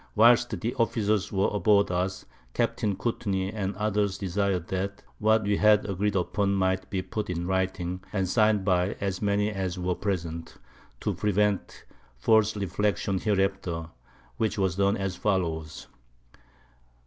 Whilst the Officers were aboard us, Capt. Courtney and others desir'd that what we had agreed upon might be put in Writing, and sign'd by as many as were present, to prevent false Reflections hereafter, which was done as follows.